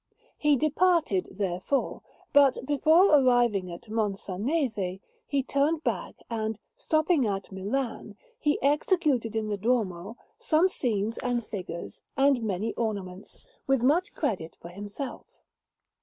He departed, therefore, but before arriving at Monsanese he turned back, and, stopping at Milan, he executed in the Duomo some scenes and figures and many ornaments, with much credit for himself.